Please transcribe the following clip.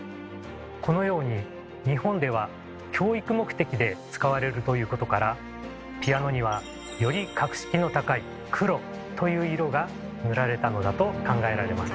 このように日本では教育目的で使われるということからピアノにはより格式の高い「黒」という色が塗られたのだと考えられます。